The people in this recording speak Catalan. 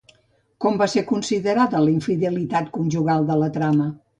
Com va ser considerada la infidelitat conjugal de la trama?